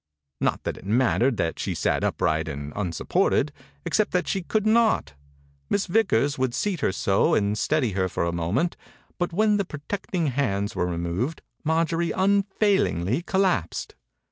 Not that it mattered that she sat upright and unsupported, except that she could not. Miss Vickers would seat her so and steady her for a momerit, but when the protecting hands were removed Marjorie unfailingly collapsed.